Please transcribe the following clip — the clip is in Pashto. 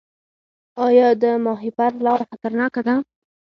آیا د ماهیپر لاره خطرناکه ده؟